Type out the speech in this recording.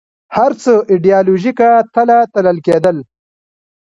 هر څه ایدیالوژیکه تله تلل کېدل